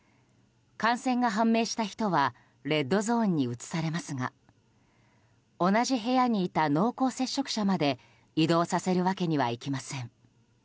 感染が判明した人はレッドゾーンに移されますが同じ部屋にいた濃厚接触者まで移動させるわけにはいきません。